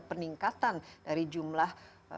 peningkatan dari jumlah